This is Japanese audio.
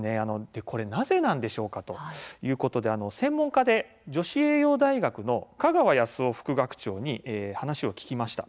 これなぜなのかといいますと専門家で女子栄養大学の香川靖雄副学長に話を聞きました。